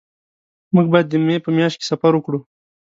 مونږ به د مې په میاشت کې سفر وکړو